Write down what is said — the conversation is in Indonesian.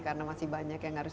karena masih banyak yang gak bisa